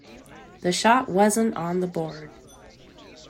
The shot wasn't on the board.